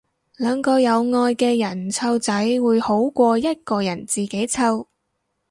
兩個有愛嘅人湊仔會好過一個人自己湊